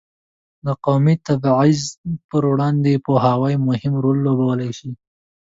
د قومي تبعیض پر وړاندې پوهاوی مهم رول لوبولی شي.